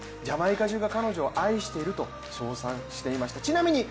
ジャマイカ中が彼女を愛していると称賛していました。